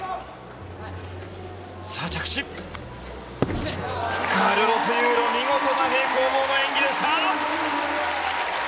着地、カルロス・ユーロ見事な平行棒の演技でした。